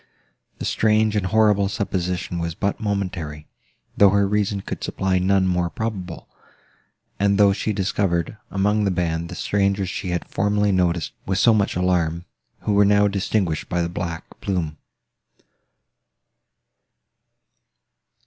The strange and horrible supposition was but momentary, though her reason could supply none more probable, and though she discovered, among the band, the strangers she had formerly noticed with so much alarm, who were now distinguished by the black plume.